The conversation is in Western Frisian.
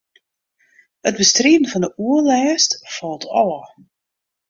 It bestriden fan de oerlêst falt ôf.